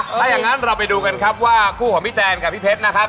ถ้าอย่างนั้นเราไปดูกันครับว่าคู่ของพี่แตนกับพี่เพชรนะครับ